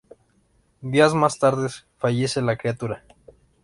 Días más tarde fallece la criatura.